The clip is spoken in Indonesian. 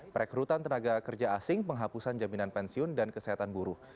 perekrutan tenaga kerja asing penghapusan jaminan pensiun dan kesehatan buruh